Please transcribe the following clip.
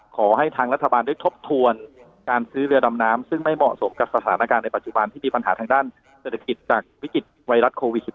ขอให้ทางรัฐบาลได้ทบทวนการซื้อเรือดำน้ำซึ่งไม่เหมาะสมกับสถานการณ์ในปัจจุบันที่มีปัญหาทางด้านเศรษฐกิจจากวิกฤตไวรัสโควิด๑๙